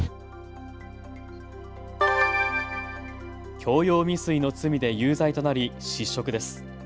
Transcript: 強要未遂の罪で有罪となり失職です。